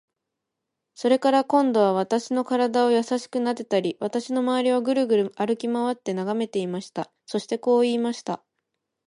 それから、今度は私の身体をやさしくなでたり、私のまわりをぐるぐる歩きまわって眺めていました。そしてこう言いました。